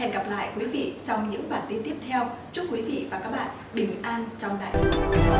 hẹn gặp lại quý vị trong những bản tin tiếp theo chúc quý vị và các bạn bình an trong đại hội